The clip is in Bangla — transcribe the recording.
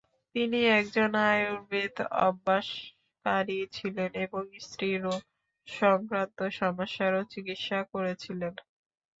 তিনি একজন আয়ুর্বেদ-অভ্যাসকারী ছিলেন এবং স্ত্রীরোগ সংক্রান্ত সমস্যারও চিকিৎসা করেছিলেন।